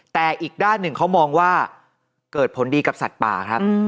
แต่อีกด้านหนึ่งเขามองว่าเกิดผลดีกับสัตว์ป่าครับ